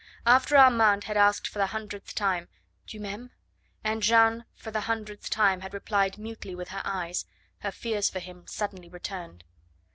After Armand had asked for the hundredth time: "Tu m'aimes?" and Jeanne for the hundredth time had replied mutely with her eyes, her fears for him suddenly returned.